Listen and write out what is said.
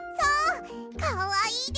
かわいいでしょ。